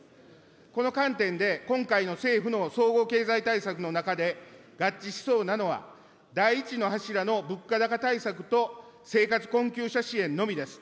この観点で、今回の政府の総合経済対策の中で、合致しそうなのは、第１の柱の物価高対策と生活困窮者支援のみです。